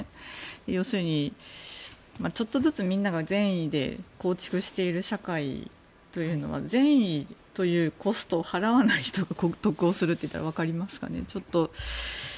要するに、ちょっとずつみんなが善意で構築している社会というのは善意というコストを払わない人が得をすると言ったら分かりますかね。